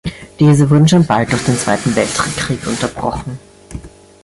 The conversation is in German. Diese wurde schon bald durch den Zweiten Weltkrieg unterbrochen.